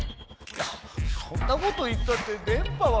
いやそんなこと言ったって電波は無理ですよ。